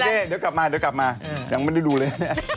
อะไรครับโอเคเดี๋ยวกลับมายังไม่ได้ดูเลย